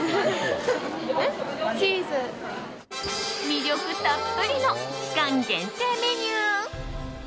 魅力たっぷりの期間限定メニュー。